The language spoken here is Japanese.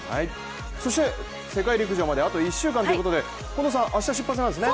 そして世界陸上まであと１週間ということで近藤さん、明日出発なんですね。